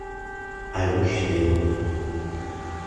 I wish they would.